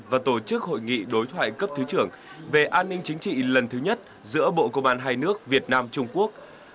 và tổ chức hội nghị đối thoại cấp thứ trưởng về an ninh chính trị lần thứ nhất giữa bộ công an hai nước việt nam trung quốc